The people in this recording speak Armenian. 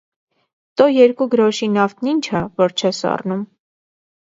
Տո, էրկու գրոշի նավթն ի՞նչ ա, որ չես առնում: